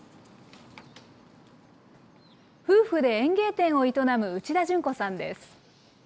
夫婦で園芸店を営む内田潤子さんです。